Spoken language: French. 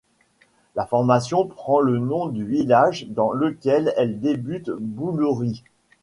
La formation prend le nom du village dans lequel elle débute, Boulouris.